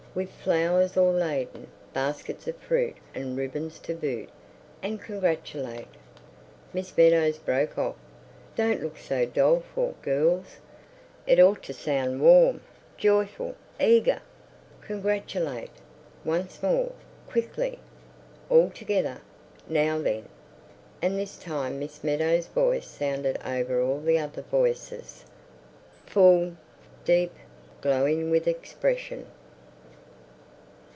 With Flowers o'erladen. Baskets of Fruit and Ribbons to boot. And Congratulate." Miss Meadows broke off. "Don't look so doleful, girls. It ought to sound warm, joyful, eager. Congratulate. Once more. Quickly. All together. Now then!" And this time Miss Meadows' voice sounded over all the other voices—full, deep, glowing with expression.